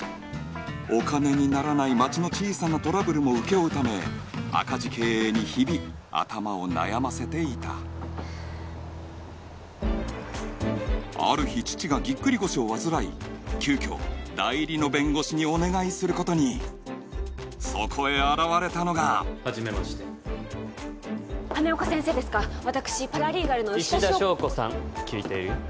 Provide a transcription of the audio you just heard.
お金にならない町の小さなトラブルも請け負うため赤字経営に日々頭を悩ませていたある日父がぎっくり腰を患い急きょ代理の弁護士にお願いすることにそこへ現れたのが初めまして羽根岡先生ですか私パラリーガルの石田硝子さん聞いているよ